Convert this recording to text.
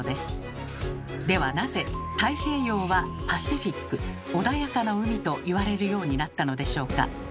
ではなぜ「太平洋」は「パシフィック穏やかな海」といわれるようになったのでしょうか？